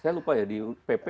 saya lupa ya di pp